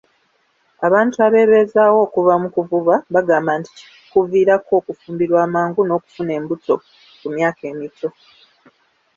Abantu abebeezaawo okuva mu kuvuba bagamba nti kuviirako okufumbirwa amangu n'okufuna embuto ku myaka emito.